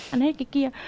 ăn hết cái kia